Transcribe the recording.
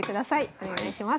お願いします。